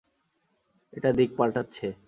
এটা দিক পাল্টাচ্ছে!